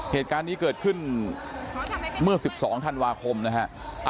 เหตุการณ์นี้เกิดขึ้นเมื่อ๑๒ธันวาคมนะฮะ